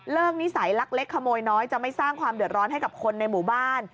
นิสัยลักเล็กขโมยน้อยจะไม่สร้างความเดือดร้อนให้กับคนในหมู่บ้าน